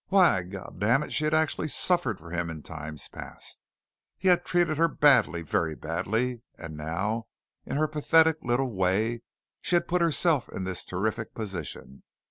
Why, God damn it, she had actually suffered for him in times past. He had treated her badly, very badly, and now in her pathetic little way she had put herself in this terrific position.